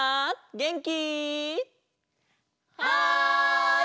げんき！